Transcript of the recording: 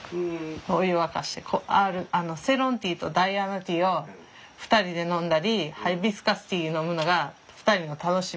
お湯沸かしてセイロンティーとダイアナティーを２人で飲んだりハイビスカスティー飲むのが２人の楽しみ。